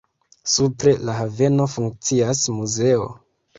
Supre la haveno funkcias muzeo.